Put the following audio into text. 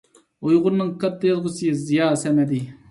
ئۇيغۇرنىڭ كاتتا يازغۇچىسى زىيا سەمەدى.